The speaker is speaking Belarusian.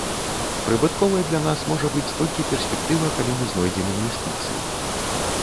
Прыбытковай для нас можа быць толькі перспектыва, калі мы знойдзем інвестыцыі.